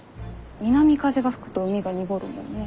南風が吹くと海が濁るもんね。